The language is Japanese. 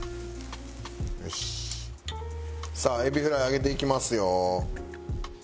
さあエビフライ揚げていきますよ。